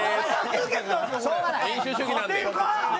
民主主義なんで。